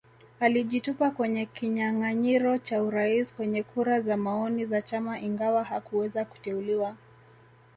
Alijitupa kwenye kinyanganyiro cha Urais kwenye kura za maoni za chama ingawa hakuweza kuteuliwa